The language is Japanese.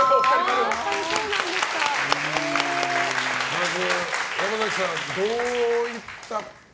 まず、山崎さんどういったことを？